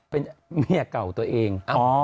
เป็นเมียเก่าตัวเอง